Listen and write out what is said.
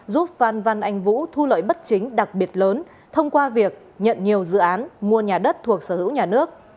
giúp phan văn anh vũ thu lợi bất chính đặc biệt lớn thông qua việc nhận nhiều dự án mua nhà đất thuộc sở hữu nhà nước